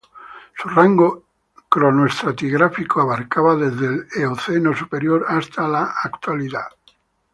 Su rango cronoestratigráfico abarcaba desde el Eoceno superior hasta la Actualidad.